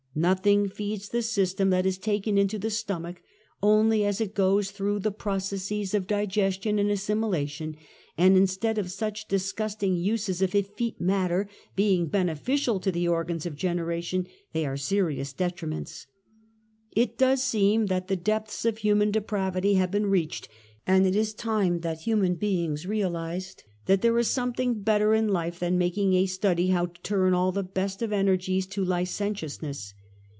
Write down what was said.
N"othing feeds the system that is taken into the stomach, only as it goes through the processes of di gestion and assimilation, and instead of such disgust I ing uses of effete matter being beneficial to the or \gans of generation they are serious detriments. It does seem that the depths of human depravity^ have been reached, and it is time that human beings realized that there is something better in life than ^ making a study how to turn all the best of energies^ V to licentiousness.